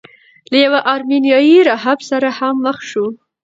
له یوه ارمینیايي راهب سره هم مخ شو.